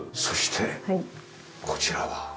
そしてこちらは？